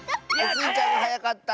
スイちゃんがはやかった。